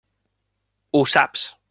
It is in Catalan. Ho saps.